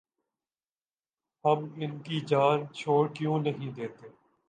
ہم ان کی جان چھوڑ کیوں نہیں دیتے؟